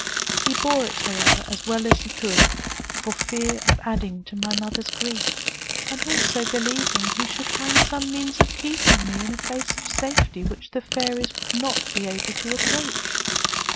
He bore it, however, as well as he could, for fear of adding to my mother's grief; and also believing he should find some means of keeping me in a place of safety, which the fairies would not be able to approach.